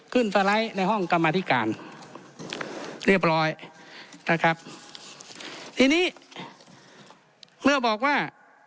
สไลด์ในห้องกรรมธิการเรียบร้อยนะครับทีนี้เมื่อบอกว่า